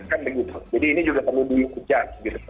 jadi ini juga perlu dikejar